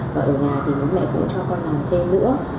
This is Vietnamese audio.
và ở nhà thì bố mẹ cũng cho con làm thêm nữa